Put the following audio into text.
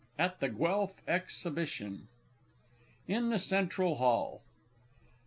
_ At the Guelph Exhibition. IN THE CENTRAL HALL.